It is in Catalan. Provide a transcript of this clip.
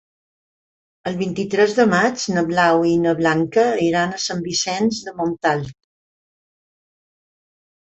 El vint-i-tres de maig na Blau i na Blanca iran a Sant Vicenç de Montalt.